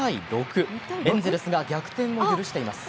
エンゼルスが逆転を許しています。